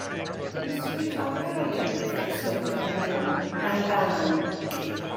Dinistriwyd llawer o'i gynnyrch yn ystod y cyfnod hwn gan dân.